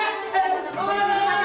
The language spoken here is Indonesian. eh dia kan laki gua